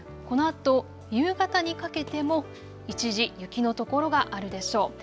このあと夕方にかけても一時、雪の所があるでしょう。